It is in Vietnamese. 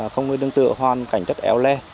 không ngươi đứng tựa hoàn cảnh rất éo le